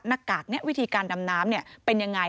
หน้ากากนี้วิธีการดำน้ำเป็นยังไง